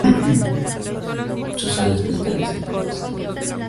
Sus sales cristalizan con facilidad.